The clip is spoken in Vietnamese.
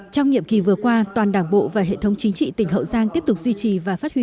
trong nhiệm kỳ vừa qua toàn đảng bộ và hệ thống chính trị tỉnh hậu giang tiếp tục duy trì và phát huy